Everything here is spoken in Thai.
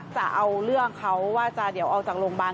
จะเอาเรื่องเขาว่าจะเดี๋ยวออกจากโรงพยาบาล